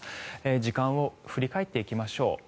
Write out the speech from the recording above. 時間を振り返っていきましょう。